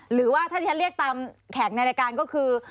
หรือว่าถ้าที่ฉันเรียกตามแขกในรายการก็คือ